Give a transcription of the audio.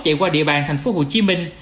chạy qua địa bàn thành phố hồ chí minh